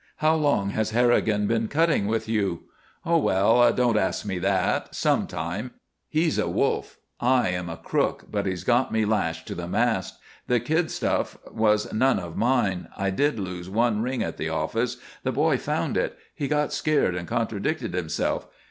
"How long has Harrigan been cutting with you?" "Oh, well, don't ask me that. Some time. He's a wolf. I am a crook, but he's got me lashed to the mast. The kid stuff was none of mine. I did lose one ring at the office. The boy found it. He got scared and contradicted himself.